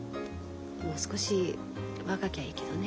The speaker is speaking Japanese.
もう少し若きゃいいけどね。